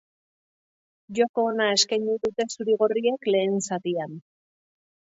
Joko ona eskaini dute zuri-gorriek lehen zatian.